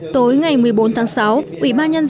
tối ngày một mươi bốn tháng sáu